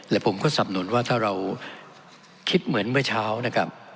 และผมก็สับหนุนว่าถ้าเราคิดเหมือนเมื่อเช้านะครับ